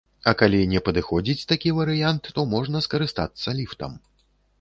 А калі не падыходзіць такі варыянт, то можна скарыстацца ліфтам.